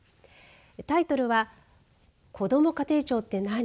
タイトルはこども家庭庁って何？